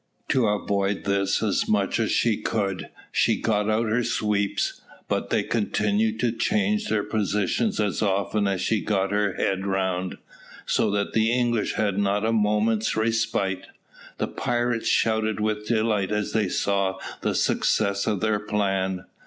To avoid this as much as she could, she got out her sweeps; but they continued to change their positions as often as she got her head round, so that the English had not a moment's respite. The pirates shouted with delight as they saw the success of their plan.